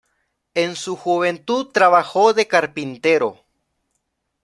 En su juventud trabajó de carpintero.